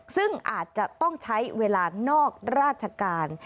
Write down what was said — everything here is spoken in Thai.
ซึ่งอาจจะต้องใช้เวลานอกราชการ